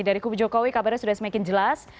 dari kubu jokowi kabarnya sudah semakin jelas